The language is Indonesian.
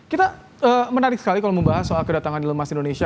kita menarik sekali kalau membahas soal kedatangan elon musk indonesia